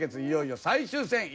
いよいよ最終戦。